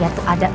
iya tuh ada tuh